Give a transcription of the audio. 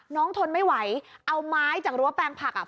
ทนไม่ไหวเอาไม้จากรั้วแปลงผักอ่ะ